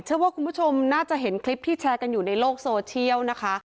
เชื่อว่าคุณผู้ชมน่าจะเห็นคลิปที่แชร์กันอยู่ในโลกโซเชียลนะคะ